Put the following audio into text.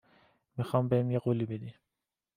می خوام بهم یه قولی بدی